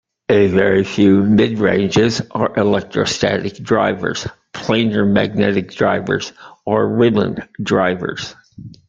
A very few mid-ranges are electrostatic drivers, planar magnetic drivers, or ribbon drivers.